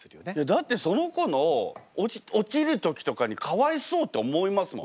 だってその子の落ちる時とかにかわいそうって思いますもん。